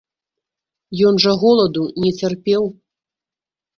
Ён жа голаду не цярпеў.